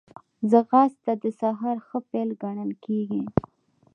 ځغاسته د سهار ښه پيل ګڼل کېږي